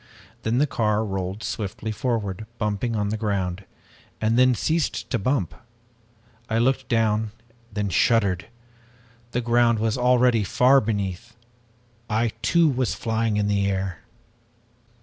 Then the car rolled swiftly forward, bumping on the ground, and then ceased to bump. I looked down, then shuddered. The ground was already far beneath! I too, was flying in the air!